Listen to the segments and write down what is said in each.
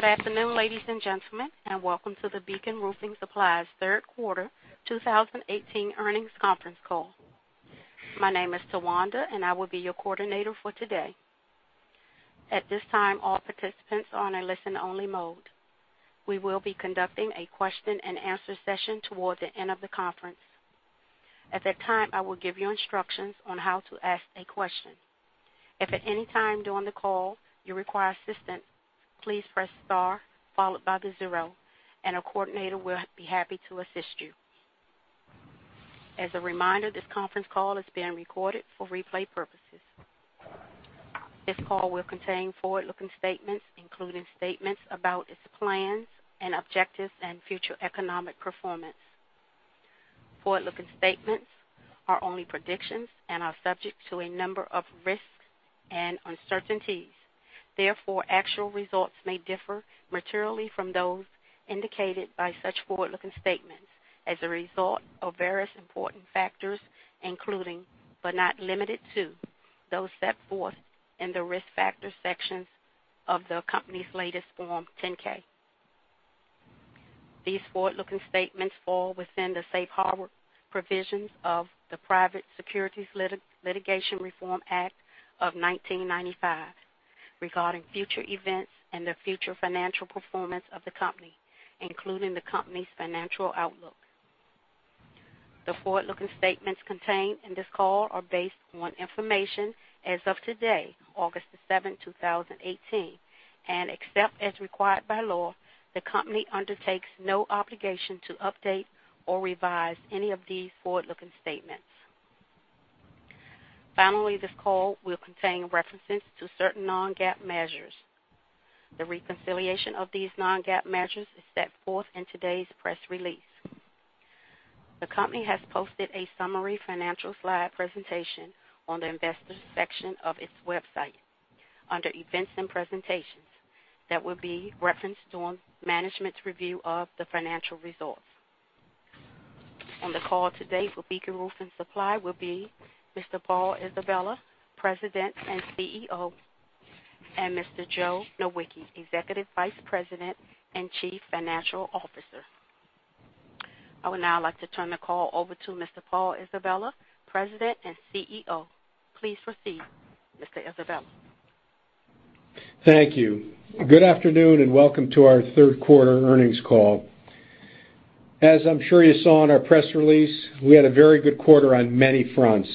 Good afternoon, ladies and gentlemen, and welcome to the Beacon Roofing Supply's third quarter 2018 earnings conference call. My name is Tawanda, and I will be your coordinator for today. At this time, all participants are on a listen-only mode. We will be conducting a question and answer session towards the end of the conference. At that time, I will give you instructions on how to ask a question. If at any time during the call you require assistance, please press star followed by the zero, and a coordinator will be happy to assist you. As a reminder, this conference call is being recorded for replay purposes. This call will contain forward-looking statements, including statements about its plans and objectives and future economic performance. Forward-looking statements are only predictions and are subject to a number of risks and uncertainties. Therefore, actual results may differ materially from those indicated by such forward-looking statements as a result of various important factors, including, but not limited to, those set forth in the Risk Factors section of the company's latest Form 10-K. These forward-looking statements fall within the safe harbor provisions of the Private Securities Litigation Reform Act of 1995 regarding future events and the future financial performance of the company, including the company's financial outlook. The forward-looking statements contained in this call are based on information as of today, August the seventh, 2018, and except as required by law, the company undertakes no obligation to update or revise any of these forward-looking statements. Finally, this call will contain references to certain non-GAAP measures. The reconciliation of these non-GAAP measures is set forth in today's press release. The company has posted a summary financial slide presentation on the Investors section of its website under Events and Presentations that will be referenced on management's review of the financial results. On the call today for Beacon Roofing Supply will be Mr. Paul Isabella, President and CEO, and Mr. Joe Nowicki, Executive Vice President and Chief Financial Officer. I would now like to turn the call over to Mr. Paul Isabella, President and CEO. Please proceed, Mr. Isabella. Thank you. Good afternoon, and welcome to our third quarter earnings call. As I'm sure you saw in our press release, we had a very good quarter on many fronts.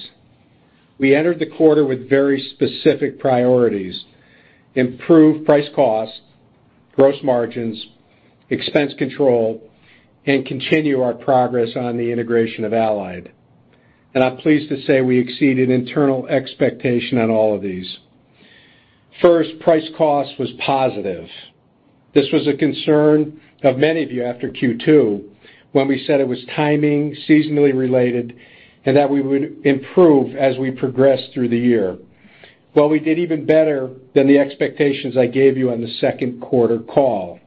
We entered the quarter with very specific priorities: improve price cost, gross margins, expense control, and continue our progress on the integration of Allied. I'm pleased to say we exceeded internal expectation on all of these. First, price cost was positive. This was a concern of many of you after Q2, when we said it was timing, seasonally related, and that we would improve as we progress through the year. Well, we did even better than the expectations I gave you on the second quarter call.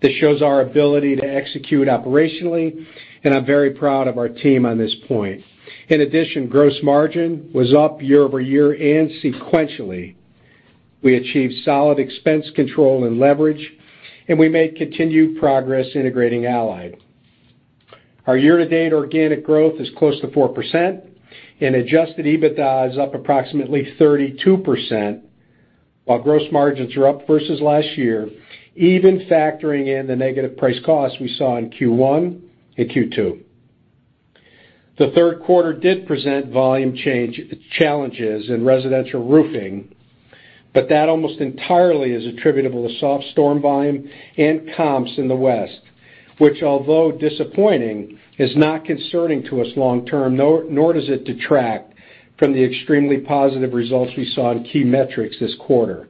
This shows our ability to execute operationally, and I'm very proud of our team on this point. In addition, gross margin was up year-over-year and sequentially. We achieved solid expense control and leverage. We made continued progress integrating Allied. Our year-to-date organic growth is close to 4%, and adjusted EBITDA is up approximately 32%, while gross margins are up versus last year, even factoring in the negative price cost we saw in Q1 and Q2. The third quarter did present volume challenges in residential roofing, but that almost entirely is attributable to soft storm volume and comps in the West, which, although disappointing, is not concerning to us long term, nor does it detract from the extremely positive results we saw in key metrics this quarter.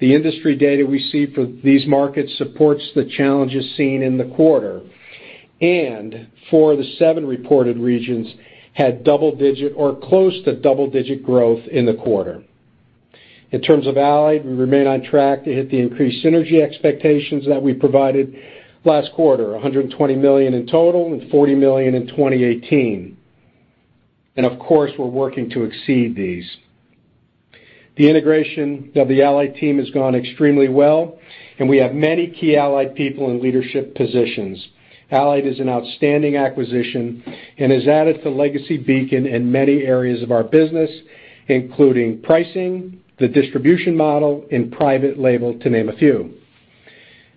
The industry data we see for these markets supports the challenges seen in the quarter and four of the seven reported regions had double-digit or close to double-digit growth in the quarter. In terms of Allied, we remain on track to hit the increased synergy expectations that we provided last quarter, $120 million in total and $40 million in 2018. Of course, we're working to exceed these. The integration of the Allied team has gone extremely well, and we have many key Allied people in leadership positions. Allied is an outstanding acquisition and has added to legacy Beacon in many areas of our business, including pricing, the distribution model, and private label, to name a few.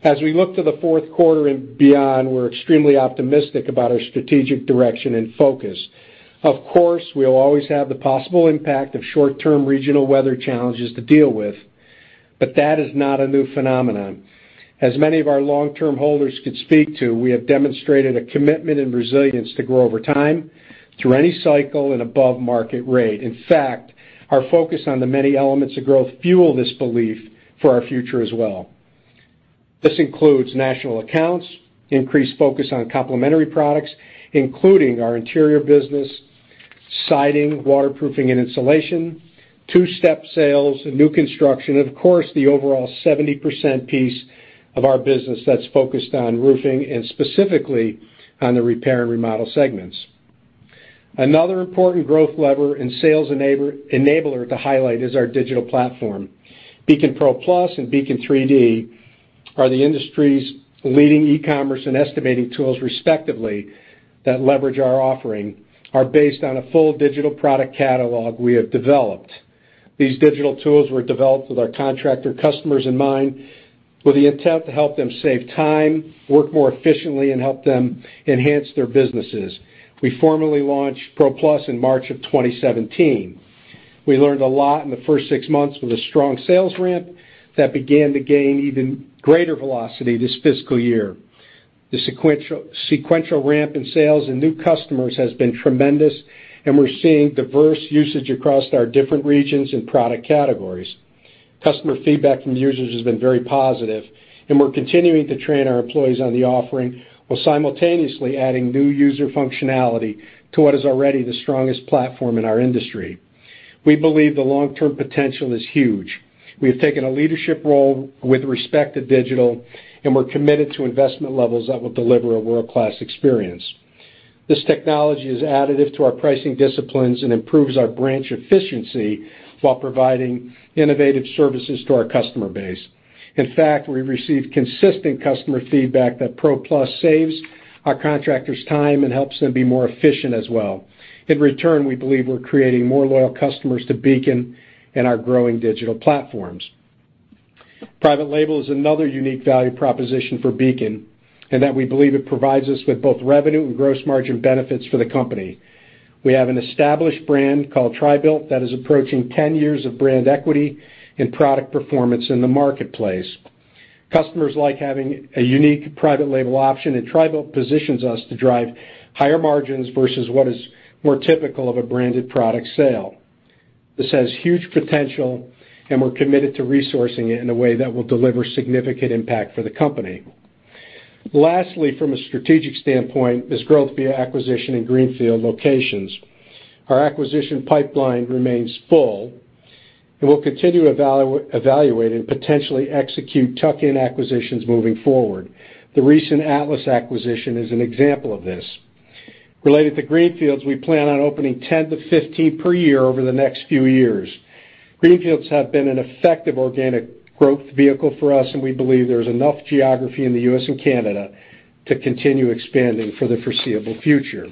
As we look to the fourth quarter and beyond, we're extremely optimistic about our strategic direction and focus. Of course, we will always have the possible impact of short-term regional weather challenges to deal with, but that is not a new phenomenon. As many of our long-term holders could speak to, we have demonstrated a commitment and resilience to grow over time, through any cycle and above market rate. In fact, our focus on the many elements of growth fuel this belief for our future as well. This includes national accounts, increased focus on complementary products, including our interior business, siding, waterproofing, and insulation, two-step sales, new construction, and of course, the overall 70% piece of our business that's focused on roofing and specifically on the repair and remodel segments. Another important growth lever and sales enabler to highlight is our digital platform. Beacon PRO+ and Beacon 3D+ are the industry's leading e-commerce and estimating tools respectively that leverage our offering are based on a full digital product catalog we have developed. These digital tools were developed with our contractor customers in mind with the intent to help them save time, work more efficiently, and help them enhance their businesses. We formally launched Beacon PRO+ in March of 2017. We learned a lot in the first six months with a strong sales ramp that began to gain even greater velocity this fiscal year. The sequential ramp in sales and new customers has been tremendous. We're seeing diverse usage across our different regions and product categories. Customer feedback from users has been very positive. We're continuing to train our employees on the offering while simultaneously adding new user functionality to what is already the strongest platform in our industry. We believe the long-term potential is huge. We have taken a leadership role with respect to digital, and we're committed to investment levels that will deliver a world-class experience. This technology is additive to our pricing disciplines and improves our branch efficiency while providing innovative services to our customer base. In fact, we've received consistent customer feedback that Beacon PRO+ saves our contractors time and helps them be more efficient as well. In return, we believe we're creating more loyal customers to Beacon and our growing digital platforms. Private label is another unique value proposition for Beacon, in that we believe it provides us with both revenue and gross margin benefits for the company. We have an established brand called TRI-BUILT that is approaching 10 years of brand equity and product performance in the marketplace. Customers like having a unique private label option, and TRI-BUILT positions us to drive higher margins versus what is more typical of a branded product sale. This has huge potential. We're committed to resourcing it in a way that will deliver significant impact for the company. Lastly, from a strategic standpoint, is growth via acquisition in greenfield locations. Our acquisition pipeline remains full, and we'll continue to evaluate and potentially execute tuck-in acquisitions moving forward. The recent Atlas acquisition is an example of this. Related to greenfields, we plan on opening 10 to 15 per year over the next few years. Greenfields have been an effective organic growth vehicle for us, and we believe there is enough geography in the U.S. and Canada to continue expanding for the foreseeable future.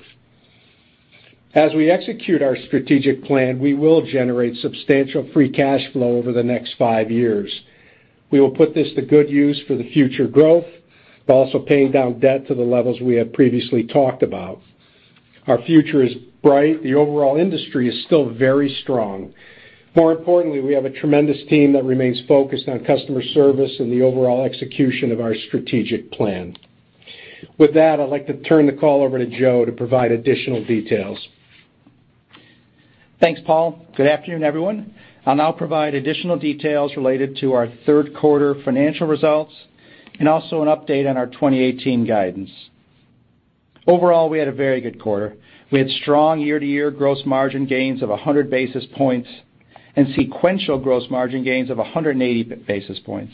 As we execute our strategic plan, we will generate substantial free cash flow over the next five years. We will put this to good use for the future growth, while also paying down debt to the levels we have previously talked about. Our future is bright. The overall industry is still very strong. More importantly, we have a tremendous team that remains focused on customer service and the overall execution of our strategic plan. With that, I'd like to turn the call over to Joe to provide additional details. Thanks, Paul. Good afternoon, everyone. I'll now provide additional details related to our third quarter financial results and also an update on our 2018 guidance. Overall, we had a very good quarter. We had strong year-to-year gross margin gains of 100 basis points and sequential gross margin gains of 180 basis points,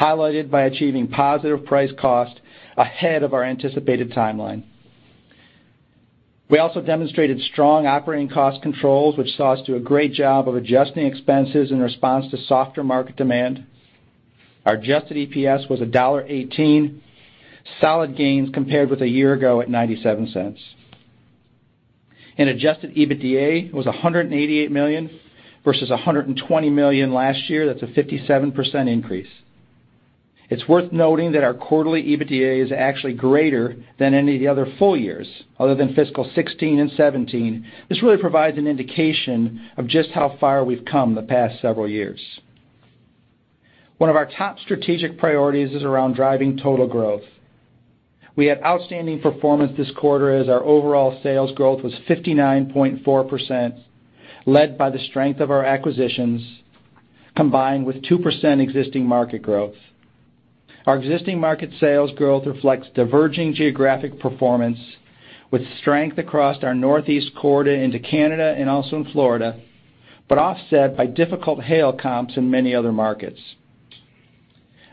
highlighted by achieving positive price cost ahead of our anticipated timeline. We also demonstrated strong operating cost controls, which saw us do a great job of adjusting expenses in response to softer market demand. Our adjusted EPS was $1.18, solid gains compared with a year ago at $0.97. Adjusted EBITDA was $188 million versus $120 million last year. That's a 57% increase. It's worth noting that our quarterly EBITDA is actually greater than any of the other full years, other than fiscal 2016 and 2017. This really provides an indication of just how far we've come the past several years. One of our top strategic priorities is around driving total growth. We had outstanding performance this quarter as our overall sales growth was 59.4%, led by the strength of our acquisitions, combined with 2% existing market growth. Our existing market sales growth reflects diverging geographic performance with strength across our Northeast corridor into Canada and also in Florida, but offset by difficult hail comps in many other markets.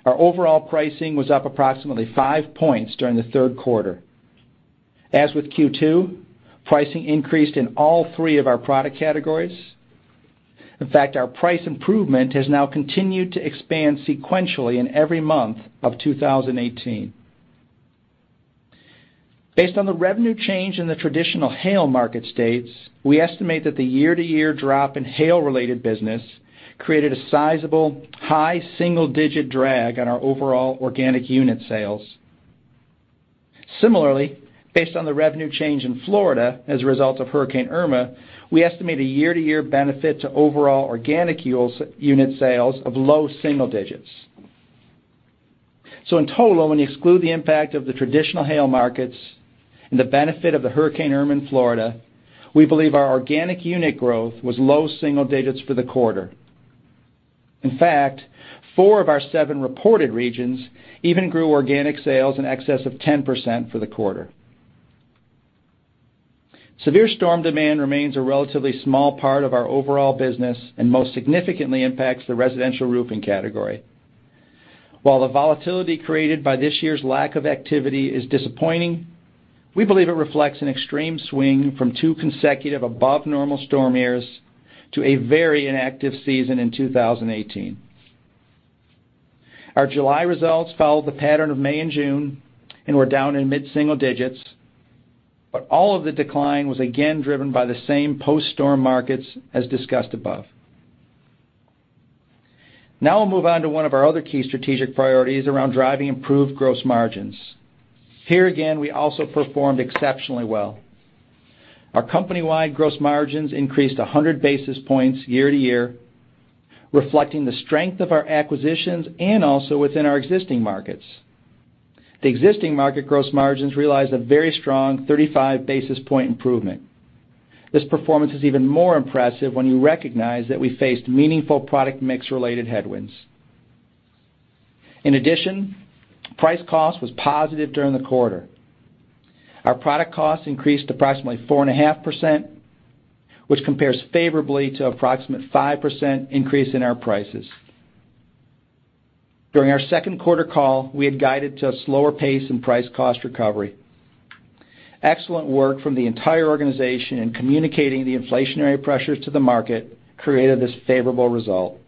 Our overall pricing was up approximately five points during the third quarter. As with Q2, pricing increased in all three of our product categories. In fact, our price improvement has now continued to expand sequentially in every month of 2018. Based on the revenue change in the traditional hail market states, we estimate that the year-to-year drop in hail-related business created a sizable high single digit drag on our overall organic unit sales. Similarly, based on the revenue change in Florida as a result of Hurricane Irma, we estimate a year-to-year benefit to overall organic unit sales of low single digits. In total, when you exclude the impact of the traditional hail markets and the benefit of Hurricane Irma in Florida, we believe our organic unit growth was low single digits for the quarter. In fact, four of our seven reported regions even grew organic sales in excess of 10% for the quarter. Severe storm demand remains a relatively small part of our overall business and most significantly impacts the residential roofing category. While the volatility created by this year's lack of activity is disappointing, we believe it reflects an extreme swing from two consecutive above normal storm years to a very inactive season in 2018. Our July results followed the pattern of May and June and were down in mid-single digits, but all of the decline was again driven by the same post-storm markets as discussed above. I'll move on to one of our other key strategic priorities around driving improved gross margins. Here, again, we also performed exceptionally well. Our company-wide gross margins increased 100 basis points year-to-year, reflecting the strength of our acquisitions and also within our existing markets. The existing market gross margins realized a very strong 35 basis point improvement. This performance is even more impressive when you recognize that we faced meaningful product mix-related headwinds. In addition, price cost was positive during the quarter. Our product cost increased approximately 4.5%, which compares favorably to approximate 5% increase in our prices. During our second quarter call, we had guided to a slower pace in price cost recovery. Excellent work from the entire organization in communicating the inflationary pressures to the market created this favorable result.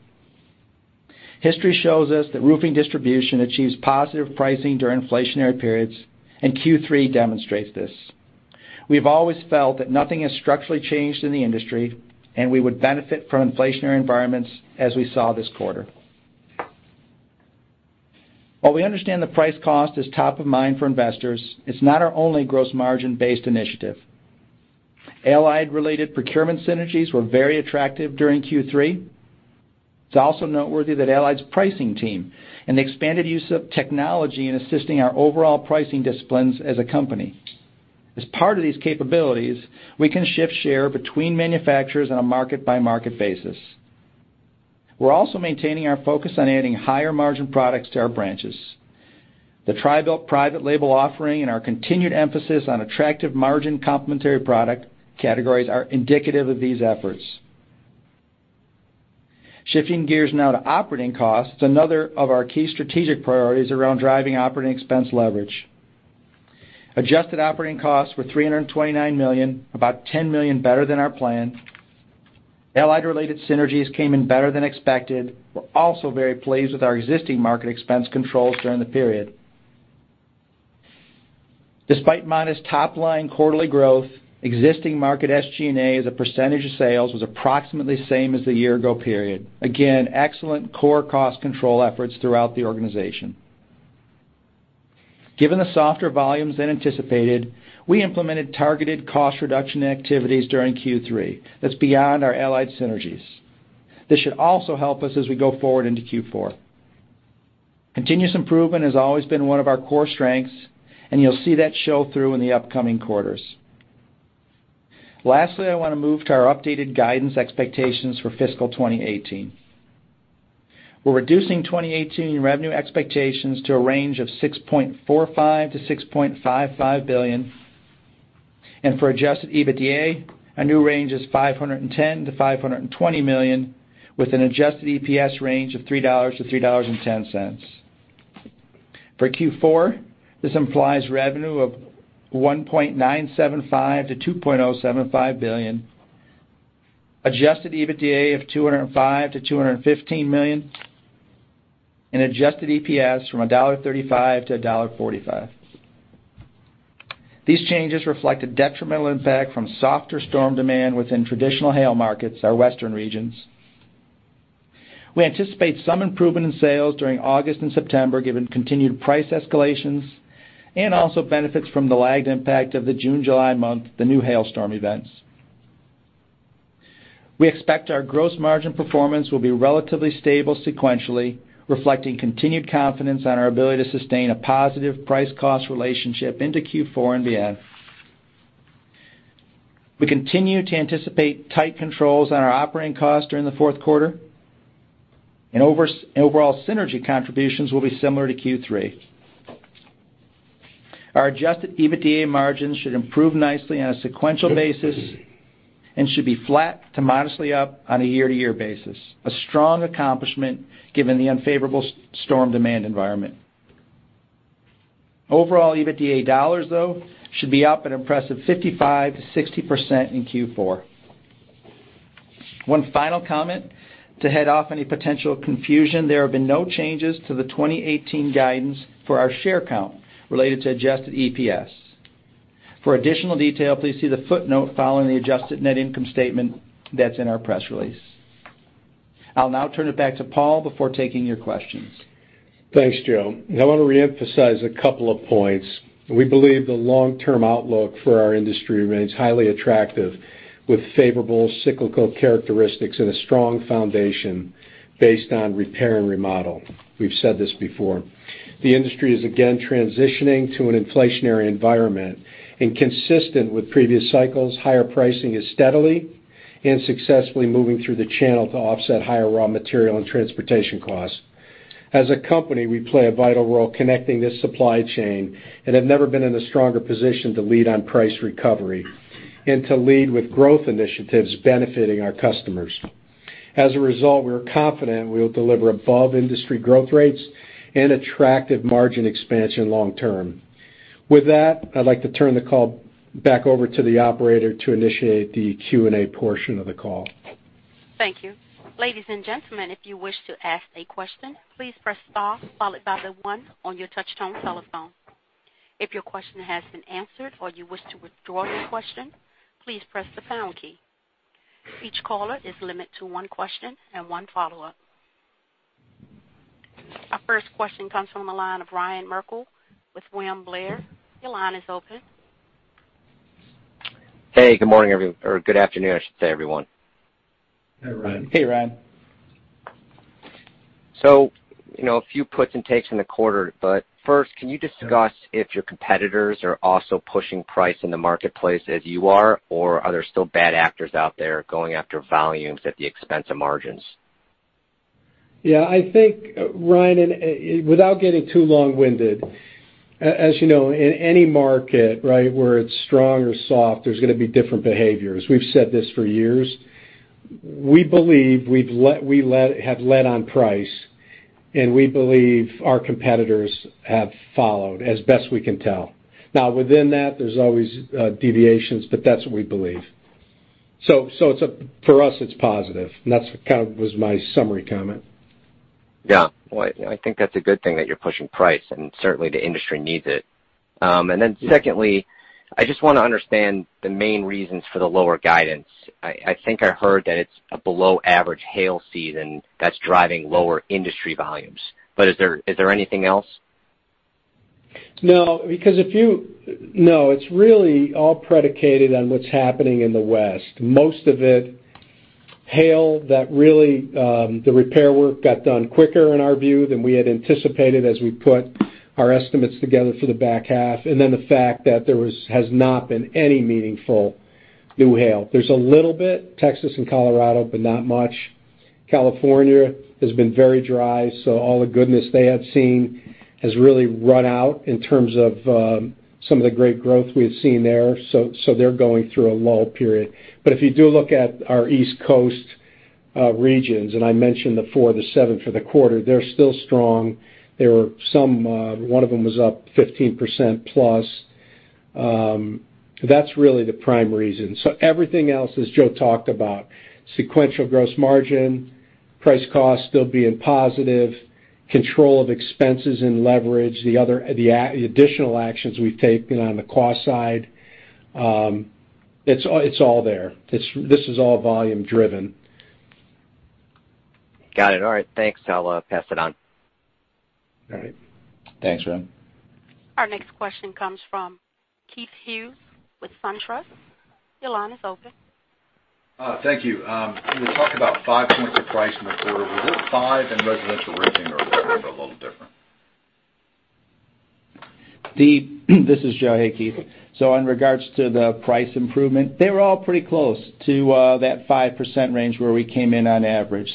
History shows us that roofing distribution achieves positive pricing during inflationary periods, and Q3 demonstrates this. We've always felt that nothing has structurally changed in the industry, and we would benefit from inflationary environments as we saw this quarter. We understand the price cost is top of mind for investors, it's not our only gross margin-based initiative. Allied-related procurement synergies were very attractive during Q3. It's also noteworthy that Allied's pricing team and expanded use of technology in assisting our overall pricing disciplines as a company. As part of these capabilities, we can shift share between manufacturers on a market-by-market basis. We're also maintaining our focus on adding higher margin products to our branches. The TRI-BUILT private label offering and our continued emphasis on attractive margin complementary product categories are indicative of these efforts. Shifting gears now to operating costs, another of our key strategic priorities around driving operating expense leverage. Adjusted operating costs were $329 million, about $10 million better than our plan. Allied-related synergies came in better than expected. We're also very pleased with our existing market expense controls during the period. Despite modest top-line quarterly growth, existing market SG&A, as a percentage of sales, was approximately the same as the year ago period. Again, excellent core cost control efforts throughout the organization. Given the softer volumes than anticipated, we implemented targeted cost reduction activities during Q3 that's beyond our Allied synergies. This should also help us as we go forward into Q4. Continuous improvement has always been one of our core strengths, and you'll see that show through in the upcoming quarters. Lastly, I want to move to our updated guidance expectations for fiscal 2018. We're reducing 2018 revenue expectations to a range of $6.45 billion-$6.55 billion, and for adjusted EBITDA, our new range is $510 million-$520 million, with an adjusted EPS range of $3-$3.10. For Q4, this implies revenue of $1.975 billion-$2.075 billion, adjusted EBITDA of $205 million-$215 million, and adjusted EPS from $1.35-$1.45. These changes reflect a detrimental impact from softer storm demand within traditional hail markets, our western regions. We anticipate some improvement in sales during August and September, given continued price escalations and also benefits from the lagged impact of the June, July month, the new hail storm events. We expect our gross margin performance will be relatively stable sequentially, reflecting continued confidence on our ability to sustain a positive price-cost relationship into Q4 and beyond. We continue to anticipate tight controls on our operating costs during the fourth quarter, and overall synergy contributions will be similar to Q3. Our adjusted EBITDA margins should improve nicely on a sequential basis and should be flat to modestly up on a year-to-year basis. A strong accomplishment given the unfavorable storm demand environment. Overall EBITDA dollars, though, should be up an impressive 55%-60% in Q4. One final comment. To head off any potential confusion, there have been no changes to the 2018 guidance for our share count related to adjusted EPS. For additional detail, please see the footnote following the adjusted net income statement that's in our press release. I'll now turn it back to Paul before taking your questions. Thanks, Joe. I want to reemphasize a couple of points. We believe the long-term outlook for our industry remains highly attractive, with favorable cyclical characteristics and a strong foundation based on repair and remodel. We've said this before. The industry is again transitioning to an inflationary environment. Consistent with previous cycles, higher pricing is steadily and successfully moving through the channel to offset higher raw material and transportation costs. As a company, we play a vital role connecting this supply chain and have never been in a stronger position to lead on price recovery. To lead with growth initiatives benefiting our customers. As a result, we are confident we will deliver above industry growth rates and attractive margin expansion long term. With that, I'd like to turn the call back over to the operator to initiate the Q&A portion of the call. Thank you. Ladies and gentlemen, if you wish to ask a question, please press star followed by the one on your touch-tone telephone. If your question has been answered or you wish to withdraw your question, please press the pound key. Each caller is limited to one question and one follow-up. Our first question comes from the line of Ryan Merkel with William Blair. Your line is open. Hey, good morning or good afternoon, I should say, everyone. Hey, Ryan. Hey, Ryan. A few puts and takes in the quarter, but first, can you discuss if your competitors are also pushing price in the marketplace as you are, or are there still bad actors out there going after volumes at the expense of margins? Yeah, I think, Ryan, without getting too long-winded, as you know, in any market, right, whether it's strong or soft, there's going to be different behaviors. We've said this for years. We believe we have led on price, and we believe our competitors have followed, as best we can tell. Within that, there's always deviations, but that's what we believe. For us, it's positive, and that's kind of was my summary comment. Yeah. Well, I think that's a good thing that you're pushing price, and certainly the industry needs it. Secondly, I just want to understand the main reasons for the lower guidance. I think I heard that it's a below average hail season that's driving lower industry volumes. Is there anything else? It's really all predicated on what's happening in the West. Most of it, hail that really, the repair work got done quicker in our view than we had anticipated as we put our estimates together for the back half. The fact that there has not been any meaningful new hail. There's a little bit, Texas and Colorado, but not much. California has been very dry, all the goodness they had seen has really run out in terms of some of the great growth we had seen there. They're going through a lull period. If you do look at our East Coast regions, and I mentioned the seven for the quarter, they're still strong. One of them was up 15% plus. That's really the prime reason. Everything else, as Joe talked about, sequential gross margin, price cost still being positive, control of expenses and leverage. The additional actions we've taken on the cost side, it's all there. This is all volume driven. Got it. All right. Thanks. I'll pass it on. All right. Thanks, Ryan. Our next question comes from Keith Hughes with SunTrust. Your line is open. Thank you. When you talk about five points of price in the quarter, was it five in residential roofing, or was it a little different? This is Joe. Hey, Keith. In regards to the price improvement, they were all pretty close to that 5% range where we came in on average.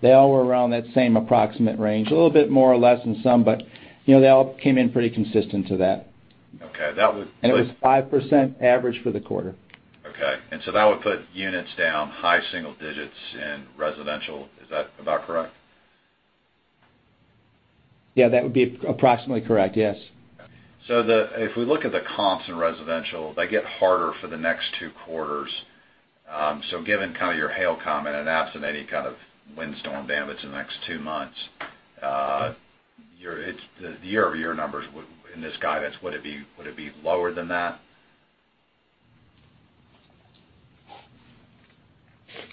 They all were around that same approximate range. A little bit more or less in some, but they all came in pretty consistent to that. Okay. It was 5% average for the quarter. Okay. That would put units down high single digits in residential. Is that about correct? Yeah, that would be approximately correct. Yes. If we look at the comps in residential, they get harder for the next two quarters. Given kind of your hail comment and absent any kind of windstorm damage in the next two months, the year-over-year numbers in this guidance, would it be lower than that?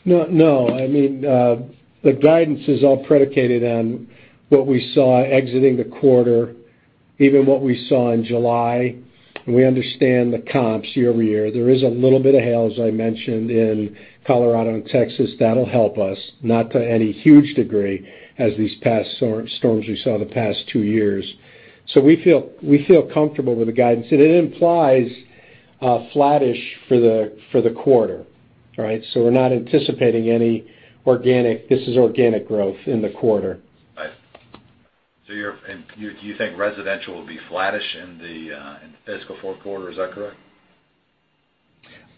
No. The guidance is all predicated on what we saw exiting the quarter, even what we saw in July, and we understand the comps year-over-year. There is a little bit of hail, as I mentioned, in Colorado and Texas that'll help us, not to any huge degree, as these past storms we saw the past two years. We feel comfortable with the guidance, and it implies a flattish for the quarter. Right? We're not anticipating any organic. This is organic growth in the quarter. Right. Do you think residential will be flattish in the fiscal fourth quarter? Is that correct?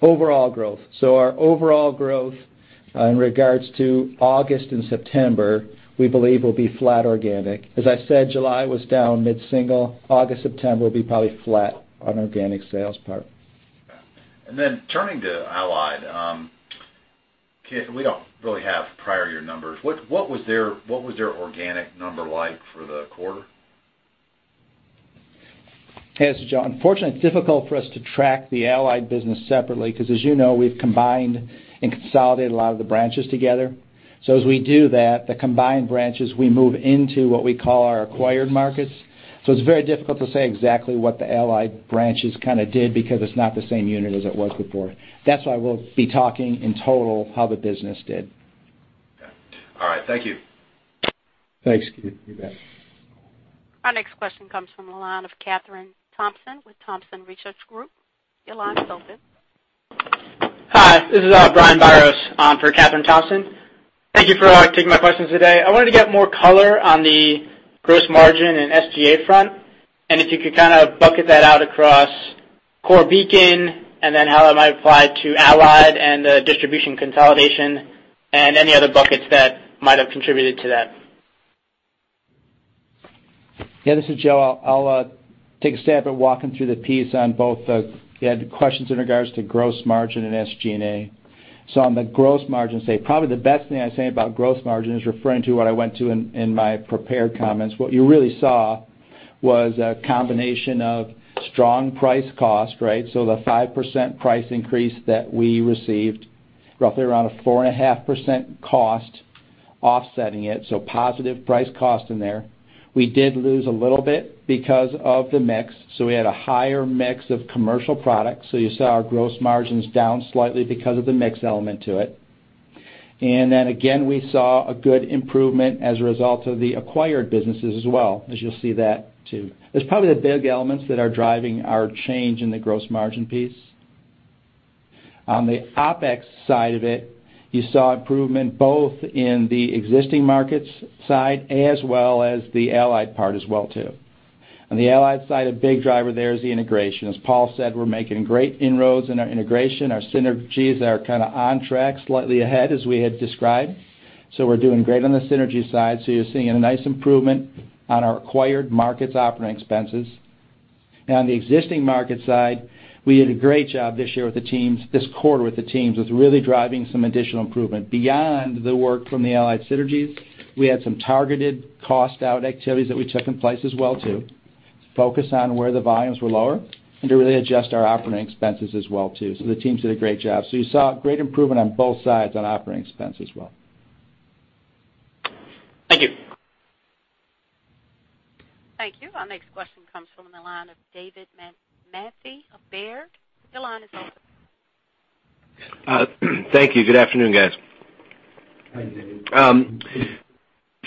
Overall growth. Our overall growth in regards to August and September, we believe will be flat organic. As I said, July was down mid-single. August, September will be probably flat on organic sales part. Okay. Turning to Allied. We don't really have prior year numbers. What was their organic number like for the quarter? Hey, this is Joe. Unfortunately, it's difficult for us to track the Allied business separately because, as you know, we've combined and consolidated a lot of the branches together. As we do that, the combined branches, we move into what we call our acquired markets. It's very difficult to say exactly what the Allied branches did because it's not the same unit as it was before. That's why we'll be talking, in total, how the business did. Okay. All right. Thank you. Thanks, Keith. You bet. Our next question comes from the line of Kathryn Thompson with Thompson Research Group. Your line is open. This is Brian Biros for Kathryn Thompson. Thank you for taking my questions today. I wanted to get more color on the gross margin and SG&A front, and if you could kind of bucket that out across core Beacon and then how that might apply to Allied and the distribution consolidation and any other buckets that might have contributed to that. This is Joe. I'll take a stab at walking through the piece on both the questions in regards to gross margin and SG&A. On the gross margin, probably the best thing I say about gross margin is referring to what I went to in my prepared comments. What you really saw was a combination of strong price cost, right? The 5% price increase that we received, roughly around a 4.5% cost offsetting it, positive price cost in there. We did lose a little bit because of the mix. We had a higher mix of commercial products. You saw our gross margins down slightly because of the mix element to it. Again, we saw a good improvement as a result of the acquired businesses as well, as you'll see that too. That's probably the big elements that are driving our change in the gross margin piece. On the OpEx side of it, you saw improvement both in the existing markets side as well as the Allied part as well too. On the Allied side, a big driver there is the integration. As Paul said, we're making great inroads in our integration. Our synergies are kind of on track, slightly ahead as we had described. We're doing great on the synergy side. You're seeing a nice improvement on our acquired markets' operating expenses. On the existing market side, we did a great job this quarter with the teams with really driving some additional improvement. Beyond the work from the Allied synergies, we had some targeted cost-out activities that we took in place as well too, focused on where the volumes were lower, to really adjust our operating expenses as well too. The teams did a great job. You saw great improvement on both sides on operating expense as well. Thank you. Thank you. Our next question comes from the line of David Manthey of Baird. Your line is open. Thank you. Good afternoon, guys. Hi, David.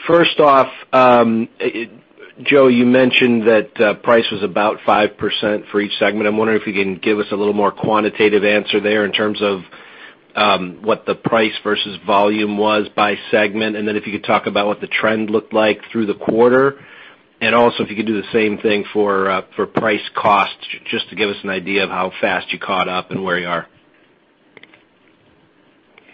First off, Joe, you mentioned that price was about 5% for each segment. I'm wondering if you can give us a little more quantitative answer there in terms of what the price versus volume was by segment, then if you could talk about what the trend looked like through the quarter. Also if you could do the same thing for price cost, just to give us an idea of how fast you caught up and where you are.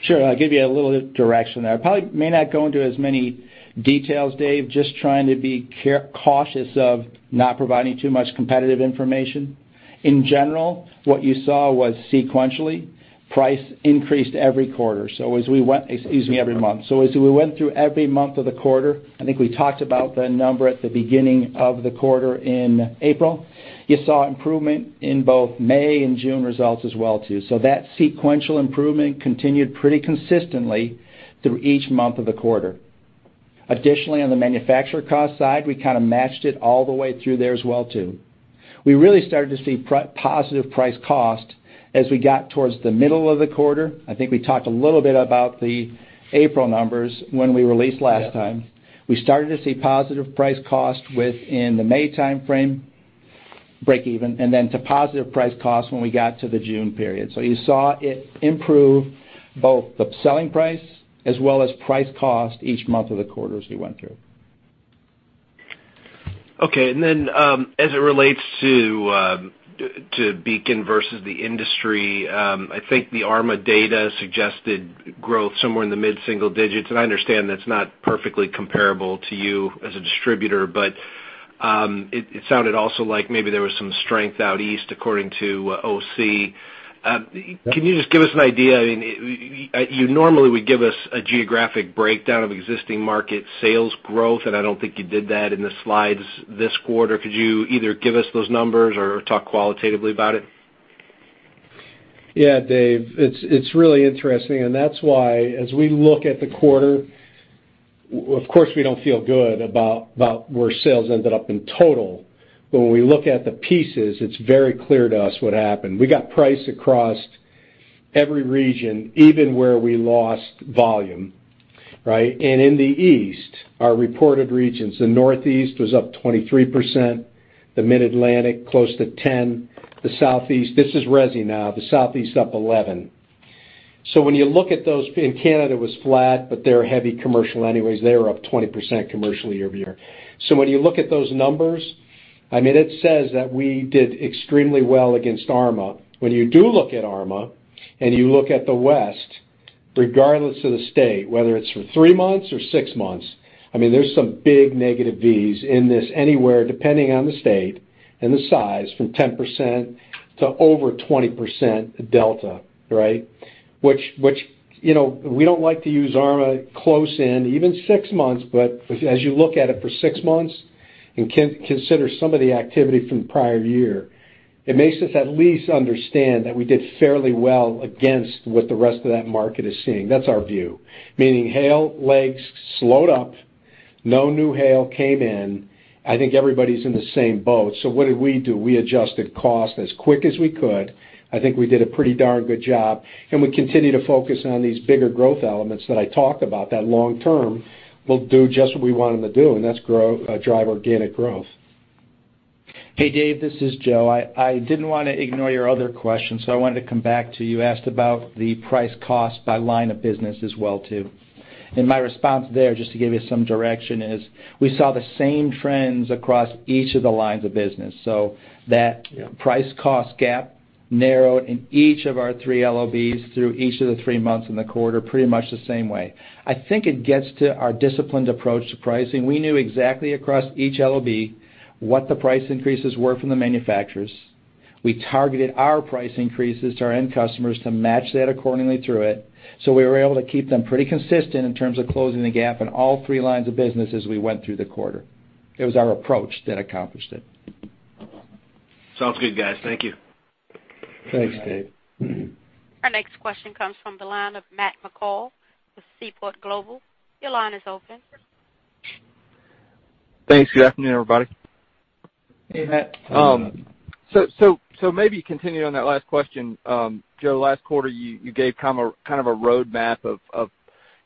Sure. I'll give you a little direction there. Probably may not go into as many details, Dave, just trying to be cautious of not providing too much competitive information. In general, what you saw was sequentially, price increased every month. As we went through every month of the quarter, I think we talked about the number at the beginning of the quarter in April. You saw improvement in both May and June results as well too. That sequential improvement continued pretty consistently through each month of the quarter. Additionally, on the manufacturer cost side, we kind of matched it all the way through there as well too. We really started to see positive price cost as we got towards the middle of the quarter. I think we talked a little bit about the April numbers when we released last time. We started to see positive price cost within the May timeframe, breakeven, then to positive price cost when we got to the June period. You saw it improve both the selling price as well as price cost each month of the quarter as we went through. Okay. Then, as it relates to Beacon versus the industry, I think the ARMA data suggested growth somewhere in the mid-single digits, I understand that's not perfectly comparable to you as a distributor, but it sounded also like maybe there was some strength out east according to OC. Can you just give us an idea? You normally would give us a geographic breakdown of existing market sales growth, I don't think you did that in the slides this quarter. Could you either give us those numbers or talk qualitatively about it? Yeah, Dave. That's why as we look at the quarter, of course, we don't feel good about where sales ended up in total. When we look at the pieces, it's very clear to us what happened. We got price across every region, even where we lost volume. Right. In the East, our reported regions, the Northeast was up 23%, the Mid-Atlantic, close to 10%. This is resi now, the Southeast up 11%. Canada was flat, but they're heavy commercial anyways. They were up 20% commercial year-over-year. When you look at those numbers, it says that we did extremely well against ARMA. When you do look at ARMA and you look at the West, regardless of the state, whether it's for three months or six months, there's some big negative Bs in this anywhere, depending on the state and the size, from 10% to over 20% delta. Right. We don't like to use ARMA close in, even six months, but as you look at it for six months and consider some of the activity from the prior year, it makes us at least understand that we did fairly well against what the rest of that market is seeing. That's our view. Meaning hail legs slowed up. No new hail came in. I think everybody's in the same boat. What did we do? We adjusted cost as quick as we could. I think we did a pretty darn good job. We continue to focus on these bigger growth elements that I talked about, that long term will do just what we want them to do, that's drive organic growth. Hey, Dave, this is Joe. I didn't want to ignore your other question, I wanted to come back to you asked about the price cost by line of business as well too. My response there, just to give you some direction, is we saw the same trends across each of the lines of business. That price cost gap narrowed in each of our 3 LOBs through each of the three months in the quarter pretty much the same way. I think it gets to our disciplined approach to pricing. We knew exactly across each LOB what the price increases were from the manufacturers. We targeted our price increases to our end customers to match that accordingly through it. We were able to keep them pretty consistent in terms of closing the gap in all 3 lines of business as we went through the quarter. It was our approach that accomplished it. Sounds good, guys. Thank you. Thanks, Dave. Our next question comes from the line of Matt McCall with Seaport Global. Your line is open. Thanks. Good afternoon, everybody. Hey, Matt. Maybe continuing on that last question, Joe, last quarter, you gave kind of a roadmap of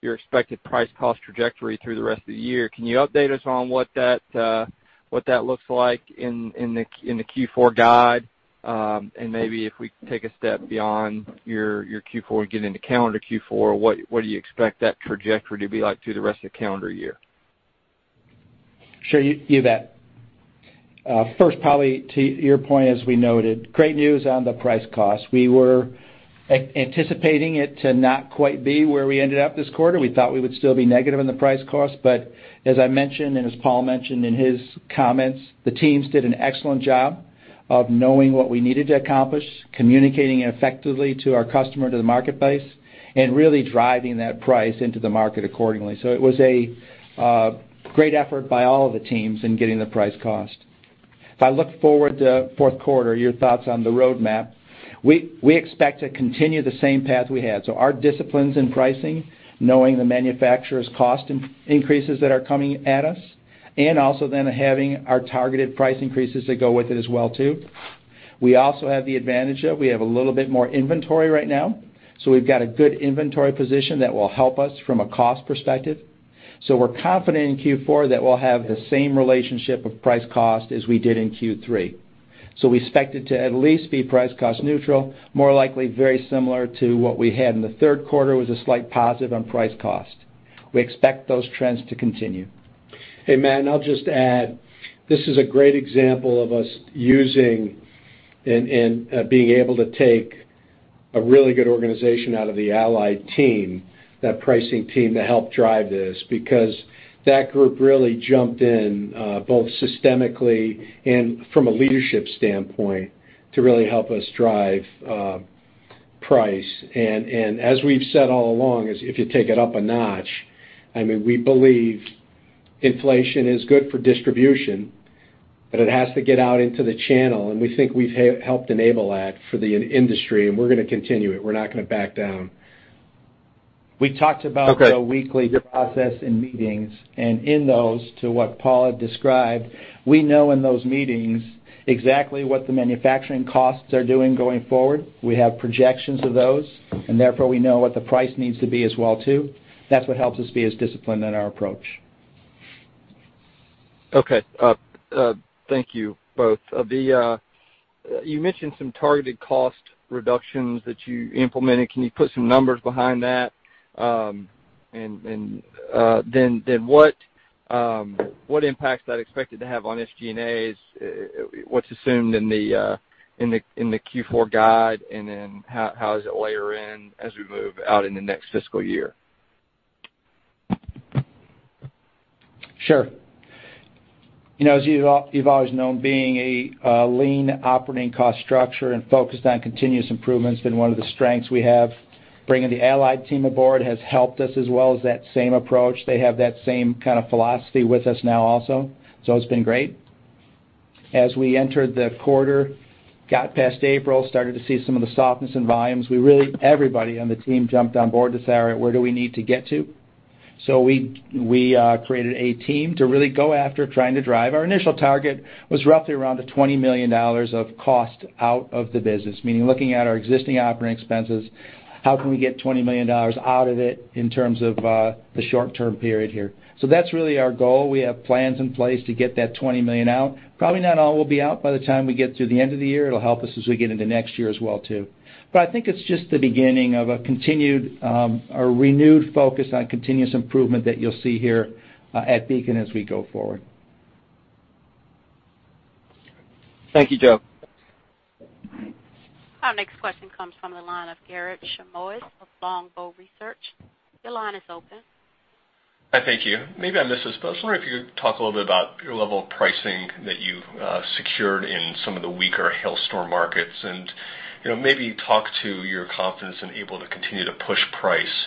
your expected price cost trajectory through the rest of the year. Can you update us on what that looks like in the Q4 guide? And maybe if we can take a step beyond your Q4, get into calendar Q4, what do you expect that trajectory to be like through the rest of the calendar year? Sure, you bet. First, probably to your point, as we noted, great news on the price cost. We were anticipating it to not quite be where we ended up this quarter. We thought we would still be negative on the price cost, but as I mentioned, and as Paul mentioned in his comments, the teams did an excellent job of knowing what we needed to accomplish, communicating it effectively to our customer and to the marketplace, and really driving that price into the market accordingly. It was a great effort by all of the teams in getting the price cost. If I look forward to fourth quarter, your thoughts on the roadmap, we expect to continue the same path we had. Our disciplines in pricing, knowing the manufacturer's cost increases that are coming at us, and also then having our targeted price increases that go with it as well too. We also have the advantage of, we have a little bit more inventory right now, so we've got a good inventory position that will help us from a cost perspective. We're confident in Q4 that we'll have the same relationship of price cost as we did in Q3. We expect it to at least be price cost neutral, more likely very similar to what we had in the third quarter. It was a slight positive on price cost. We expect those trends to continue. Hey, Matt, I'll just add, this is a great example of us using and being able to take a really good organization out of the Allied team, that pricing team, to help drive this, because that group really jumped in, both systemically and from a leadership standpoint, to really help us drive price. As we've said all along, is if you take it up a notch, we believe inflation is good for distribution, it has to get out into the channel, we think we've helped enable that for the industry, we're going to continue it. We're not going to back down. We talked about. Okay The weekly process in meetings, in those, to what Paul had described, we know in those meetings exactly what the manufacturing costs are doing going forward. We have projections of those, therefore, we know what the price needs to be as well, too. That's what helps us be as disciplined in our approach. Okay. Thank you both. You mentioned some targeted cost reductions that you implemented. Can you put some numbers behind that? Then what impact is that expected to have on SG&A? What's assumed in the Q4 guide, then how does it layer in as we move out in the next fiscal year? Sure. As you've always known, being a lean operating cost structure and focused on continuous improvement has been one of the strengths we have. Bringing the Allied team aboard has helped us as well as that same approach. They have that same kind of philosophy with us now also. It's been great. As we entered the quarter, got past April, started to see some of the softness in volumes, everybody on the team jumped on board to say, "All right, where do we need to get to?" We created a team to really go after trying to drive. Our initial target was roughly around the $20 million of cost out of the business, meaning looking at our existing operating expenses, how can we get $20 million out of it in terms of the short-term period here? That's really our goal. We have plans in place to get that $20 million out. Probably not all will be out by the time we get to the end of the year. It'll help us as we get into next year as well, too. I think it's just the beginning of a renewed focus on continuous improvement that you'll see here at Beacon as we go forward. Thank you, Joe. Our next question comes from the line of Garik Shmois of Longbow Research. Your line is open. Thank you. I was wondering if you could talk a little bit about your level of pricing that you've secured in some of the weaker hailstorm markets and maybe talk to your confidence in able to continue to push price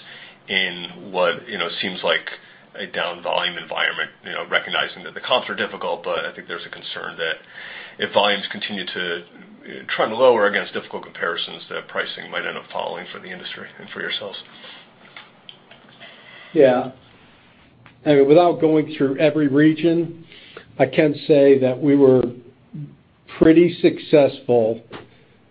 in what seems like a down volume environment, recognizing that the comps are difficult. I think there's a concern that if volumes continue to trend lower against difficult comparisons, that pricing might end up falling for the industry and for yourselves. Yeah. Without going through every region, I can say that we were pretty successful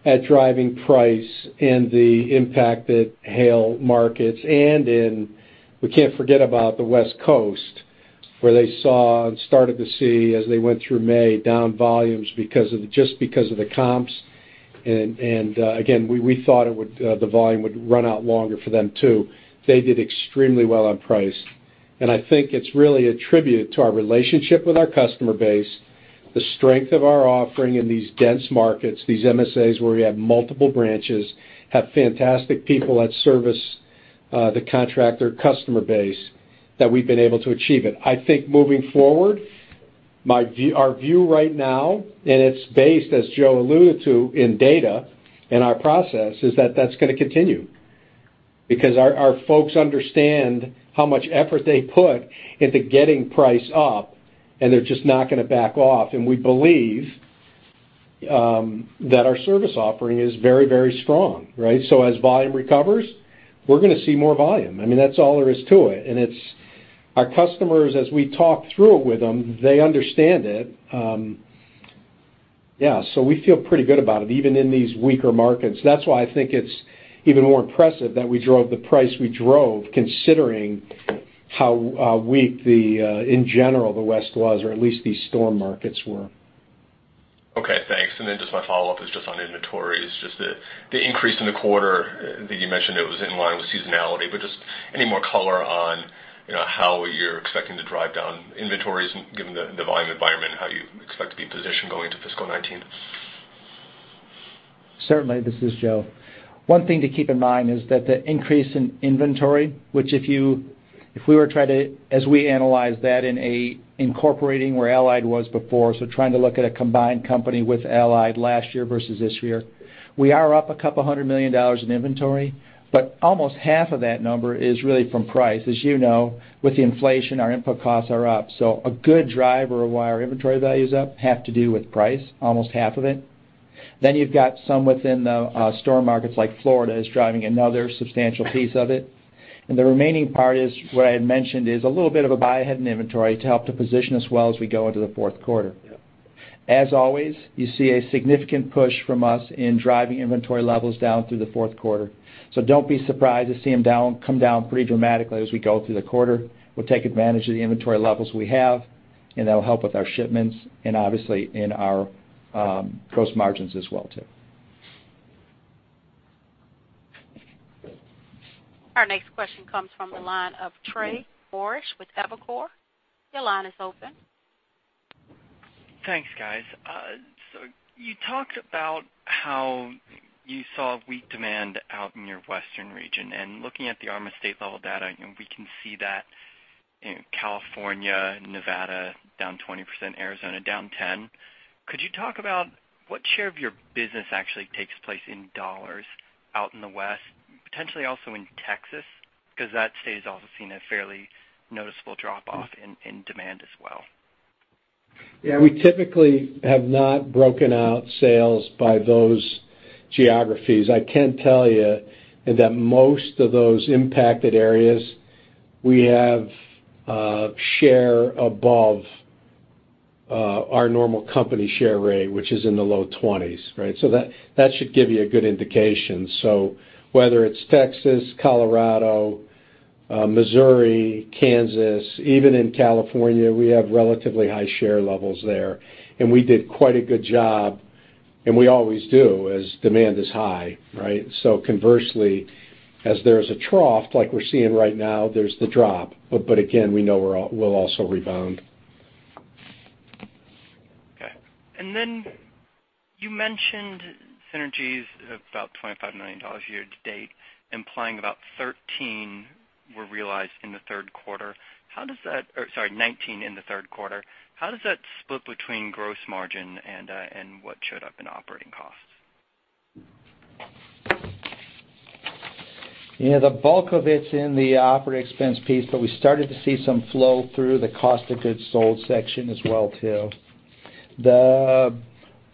at driving price and the impact that hail markets and in, we can't forget about the West Coast, where they saw and started to see as they went through May, down volumes just because of the comps. Again, we thought the volume would run out longer for them, too. They did extremely well on price. I think it's really a tribute to our relationship with our customer base, the strength of our offering in these dense markets, these MSAs where we have multiple branches, have fantastic people that service, the contractor customer base, that we've been able to achieve it. I think moving forward, our view right now, and it's based, as Joe alluded to, in data, and our process is that that's going to continue. Because our folks understand how much effort they put into getting price up, and they're just not going to back off. We believe that our service offering is very, very strong. Right? As volume recovers, we're going to see more volume. I mean, that's all there is to it. Our customers, as we talk through it with them, they understand it. Yeah. We feel pretty good about it, even in these weaker markets. That's why I think it's even more impressive that we drove the price we drove, considering how weak, in general, the West was or at least these storm markets were. Okay, thanks. Just my follow-up is just on inventories, just the increase in the quarter. I think you mentioned it was in line with seasonality, but just any more color on how you're expecting to drive down inventories given the volume environment and how you expect to be positioned going into fiscal 2019? Certainly. This is Joe. One thing to keep in mind is that the increase in inventory, which as we analyze that in incorporating where Allied was before, so trying to look at a combined company with Allied last year versus this year, we are up a couple hundred million dollars in inventory, but almost half of that number is really from price. As you know, with the inflation, our input costs are up. A good driver of why our inventory value is up have to do with price, almost half of it. You've got some within the storm markets, like Florida is driving another substantial piece of it. The remaining part is what I had mentioned, is a little bit of a buy ahead in inventory to help to position us well as we go into the fourth quarter. Yep. As always, you see a significant push from us in driving inventory levels down through the fourth quarter. Don't be surprised to see them come down pretty dramatically as we go through the quarter. We'll take advantage of the inventory levels we have, and that'll help with our shipments and obviously in our gross margins as well, too. Our next question comes from the line of Trey Morrish with Evercore. Your line is open. Thanks, guys. You talked about how you saw weak demand out in your western region. Looking at the ARMA state-level data, we can see that in California, Nevada down 20%, Arizona down 10%. Could you talk about what share of your business actually takes place in dollars out in the West, potentially also in Texas? That state has also seen a fairly noticeable drop-off in demand as well. Yeah, we typically have not broken out sales by those geographies. I can tell you that most of those impacted areas, we have a share above our normal company share rate, which is in the low 20s. Right? That should give you a good indication. Whether it's Texas, Colorado, Missouri, Kansas, even in California, we have relatively high share levels there. We did quite a good job, and we always do as demand is high. Right? Conversely, as there's a trough like we're seeing right now, there's the drop. Again, we know we'll also rebound. Okay. You mentioned synergies of about $25 million year to date, implying about 13 were realized in the third quarter. How does that, or sorry, 19 in the third quarter. How does that split between gross margin and what showed up in operating costs? Yeah, the bulk of it's in the operating expense piece, we started to see some flow through the cost of goods sold section as well, too. The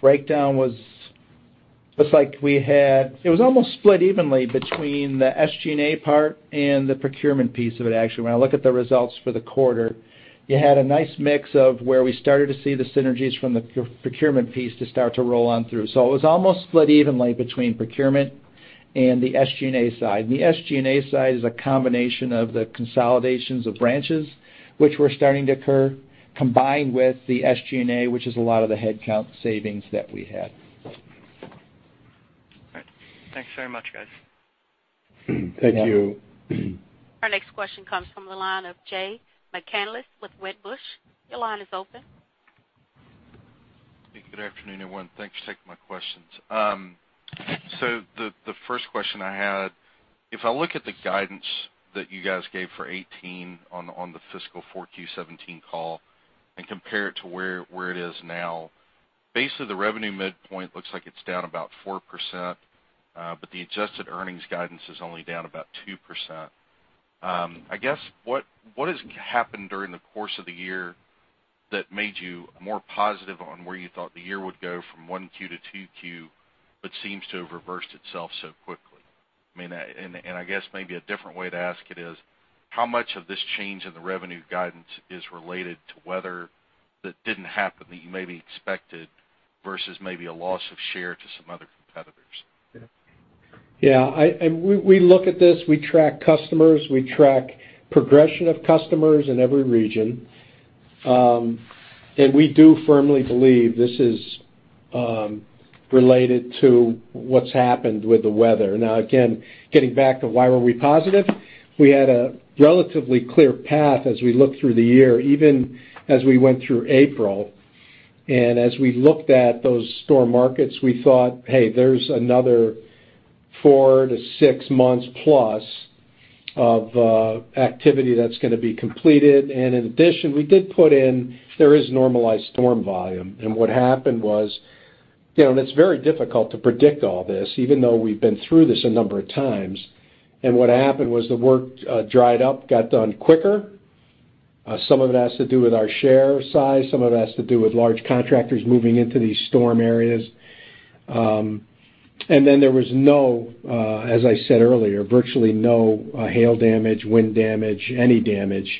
breakdown was, looks like we had, it was almost split evenly between the SG&A part and the procurement piece of it, actually. When I look at the results for the quarter, you had a nice mix of where we started to see the synergies from the procurement piece to start to roll on through. It was almost split evenly between procurement and the SG&A side. The SG&A side is a combination of the consolidations of branches which were starting to occur, combined with the SG&A, which is a lot of the headcount savings that we had. All right. Thanks very much, guys. Thank you. Our next question comes from the line of Jay McCanless with Wedbush. Your line is open. Hey, good afternoon, everyone. Thanks for taking my questions. The first question I had, if I look at the guidance that you guys gave for 2018 on the fiscal Q4 2017 call and compare it to where it is now, basically, the revenue midpoint looks like it's down about 4%, but the adjusted earnings guidance is only down about 2%. I guess, what has happened during the course of the year that made you more positive on where you thought the year would go from Q1 to Q2, but seems to have reversed itself so quickly? I guess maybe a different way to ask it is, how much of this change in the revenue guidance is related to weather that didn't happen that you maybe expected, versus maybe a loss of share to some other competitors? Yeah. We look at this, we track customers, we track progression of customers in every region. We do firmly believe this is related to what's happened with the weather. Again, getting back to why were we positive, we had a relatively clear path as we looked through the year, even as we went through April. As we looked at those storm markets, we thought, "Hey, there's another four to six months plus of activity that's going to be completed." In addition, we did put in, there is normalized storm volume. What happened was, it's very difficult to predict all this, even though we've been through this a number of times. What happened was the work dried up, got done quicker. Some of it has to do with our share size, some of it has to do with large contractors moving into these storm areas. There was, as I said earlier, virtually no hail damage, wind damage, any damage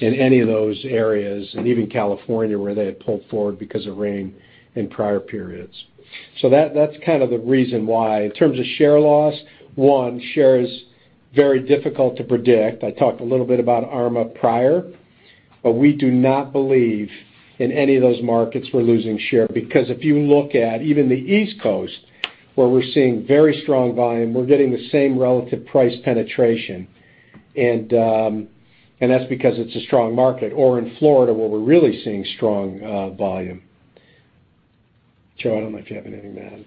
in any of those areas, and even California, where they had pulled forward because of rain in prior periods. That's kind of the reason why. In terms of share loss, one, share is very difficult to predict. I talked a little bit about ARMA prior, but we do not believe in any of those markets we're losing share because if you look at even the East Coast, where we're seeing very strong volume, we're getting the same relative price penetration. That's because it's a strong market, or in Florida, where we're really seeing strong volume. Joe, I don't know if you have anything to add.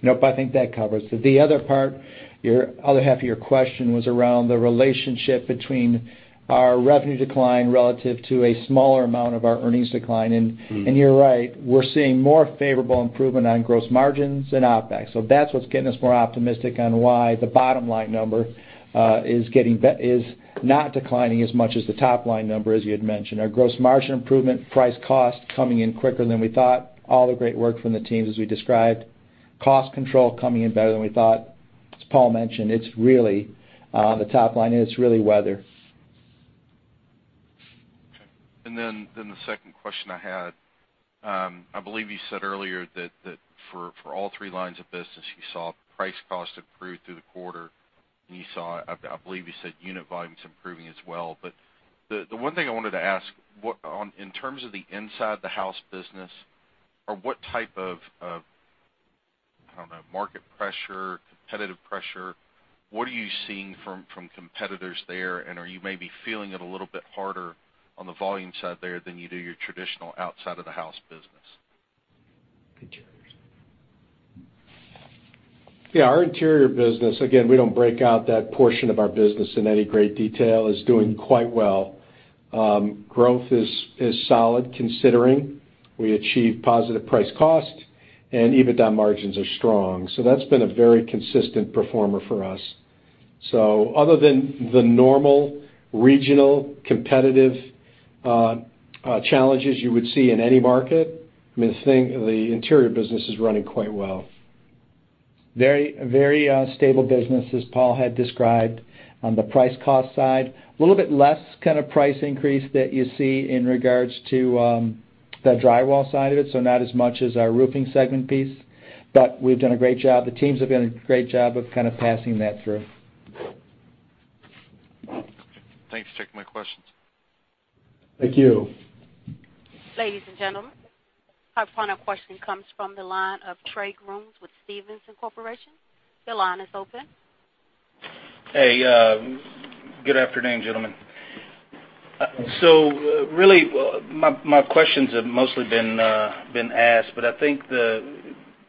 No, I think that covers it. The other part, your other half of your question was around the relationship between our revenue decline relative to a smaller amount of our earnings decline. You're right, we're seeing more favorable improvement on gross margins and OpEx. That's what's getting us more optimistic on why the bottom-line number is not declining as much as the top-line number, as you had mentioned. Our gross margin improvement, price cost coming in quicker than we thought. All the great work from the teams as we described. Cost control coming in better than we thought. As Paul mentioned, the top line, it's really weather. Okay. The second question I had, I believe you said earlier that for all three lines of business, you saw price cost improve through the quarter and I believe you said unit volumes improving as well. The one thing I wanted to ask, in terms of the inside the house business or what type of, I don't know, market pressure, competitive pressure, what are you seeing from competitors there? Are you maybe feeling it a little bit harder on the volume side there than you do your traditional outside of the house business? Good, Joe. Yeah, our interior business, again, we don't break out that portion of our business in any great detail, is doing quite well. Growth is solid considering we achieved positive price cost and EBITDA margins are strong. That's been a very consistent performer for us. Other than the normal regional competitive challenges you would see in any market, the interior business is running quite well. Very stable business, as Paul had described. On the price cost side, a little bit less kind of price increase that you see in regards to the drywall side of it, not as much as our roofing segment piece. We've done a great job. The teams have done a great job of kind of passing that through. Okay. Thanks. Taking my questions. Thank you. Ladies and gentlemen, our final question comes from the line of Trey Grooms with Stephens Inc.. Your line is open. Hey, good afternoon, gentlemen. Really, my questions have mostly been asked, but I think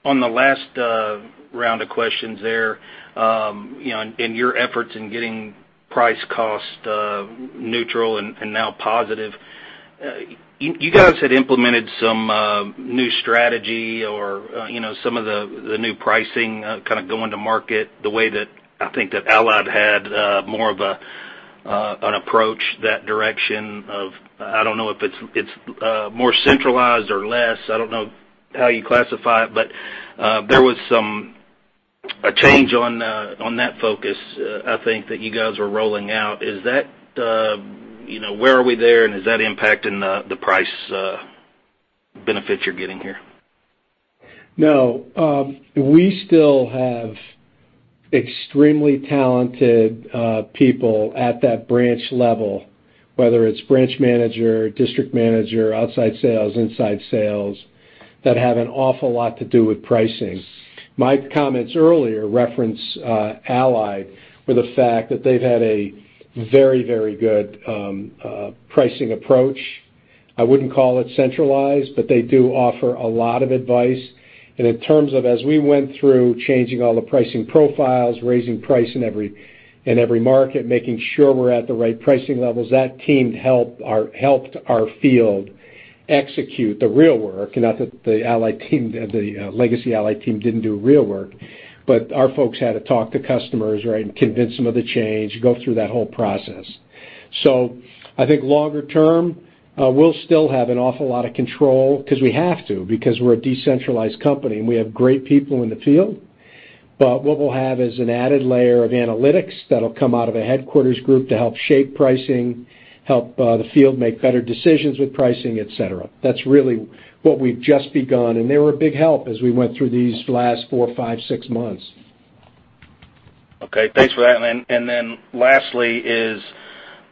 on the last round of questions there, in your efforts in getting price cost neutral and now positive, you guys had implemented some new strategy or some of the new pricing kind of going to market the way that I think that Allied had more of an approach that direction of, I don't know if it's more centralized or less. I don't know how you classify it, but there was a change on that focus, I think that you guys were rolling out. Where are we there, and is that impacting the price benefits you're getting here? No. We still have extremely talented people at that branch level, whether it's branch manager, district manager, outside sales, inside sales, that have an awful lot to do with pricing. My comments earlier reference Allied for the fact that they've had a very good pricing approach. I wouldn't call it centralized, but they do offer a lot of advice. In terms of as we went through changing all the pricing profiles, raising price in every market, making sure we're at the right pricing levels, that team helped our field execute the real work. Not that the legacy Allied team didn't do real work, but our folks had to talk to customers, right, and convince them of the change, go through that whole process. I think longer term, we'll still have an awful lot of control because we have to, because we're a decentralized company, and we have great people in the field. What we'll have is an added layer of analytics that'll come out of a headquarters group to help shape pricing, help the field make better decisions with pricing, et cetera. That's really what we've just begun, and they were a big help as we went through these last four, five, six months. Okay. Thanks for that. Lastly is,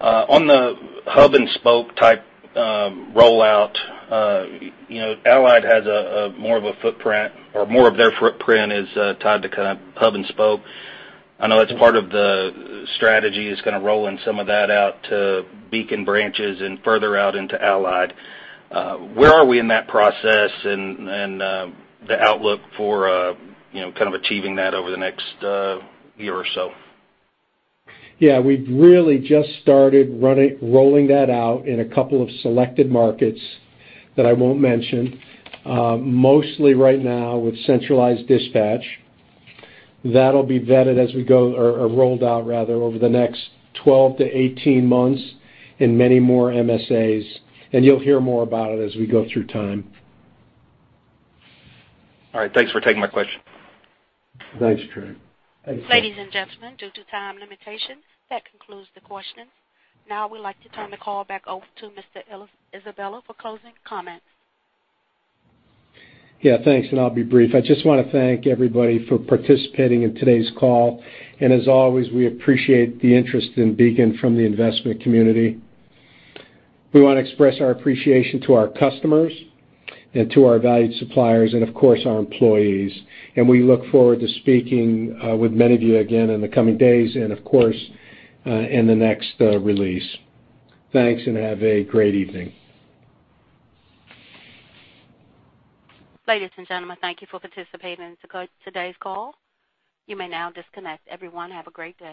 on the hub-and-spoke type rollout, Allied has more of a footprint, or more of their footprint is tied to kind of hub-and-spoke. I know that's part of the strategy is kind of rolling some of that out to Beacon branches and further out into Allied. Where are we in that process and the outlook for kind of achieving that over the next year or so? Yeah. We've really just started rolling that out in a couple of selected markets that I won't mention. Mostly right now with centralized dispatch. That'll be vetted as we go or rolled out, rather, over the next 12 to 18 months in many more MSAs, and you'll hear more about it as we go through time. All right. Thanks for taking my question. Thanks, Trey. Ladies and gentlemen, due to time limitations, that concludes the questions. Now we'd like to turn the call back over to Mr. Isabella for closing comments. Yeah, thanks, and I'll be brief. I just want to thank everybody for participating in today's call. As always, we appreciate the interest in Beacon from the investment community. We want to express our appreciation to our customers and to our valued suppliers and, of course, our employees. We look forward to speaking with many of you again in the coming days and, of course, in the next release. Thanks, and have a great evening. Ladies and gentlemen, thank you for participating in today's call. You may now disconnect. Everyone, have a great day.